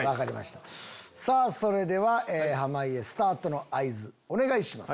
それでは濱家スタートの合図お願いします。